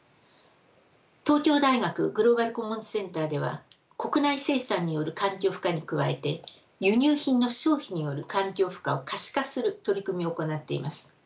東京大学グローバル・コモンズ・センターでは国内生産による環境負荷に加えて輸入品の消費による環境負荷を可視化する取り組みを行っています。